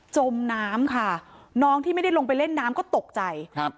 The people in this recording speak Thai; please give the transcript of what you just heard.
จมน้ำค่ะน้องที่ไม่ได้ลงไปเล่นน้ำก็ตกใจครับ